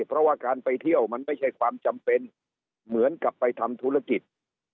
เพราะว่าการไปเที่ยวมันไม่ใช่ความจำเป็นเหมือนกับไปทำธุรกิจ